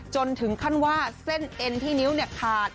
จนถึงขั้นว่าเส้นเอ็นที่นิ้วขาด